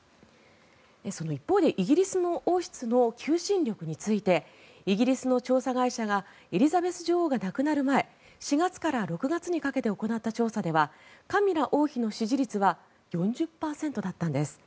その一方でイギリス王室の求心力についてイギリスの調査会社がエリザベス女王が亡くなる前４月から６月にかけて行った調査ではカミラ王妃の支持率は４０％だったんです。